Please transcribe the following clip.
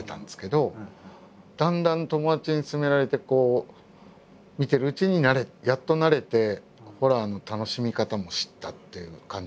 だんだん友達に薦められてこう見てるうちにやっと慣れてホラーの楽しみ方も知ったっていう感じだったので。